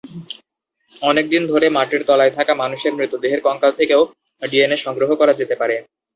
অনেকদিন ধরে মাটির তলায় থাকা মানুষের মৃতদেহের কঙ্কাল থেকেও ডিএনএ সংগ্রহ করা যেতে পারে।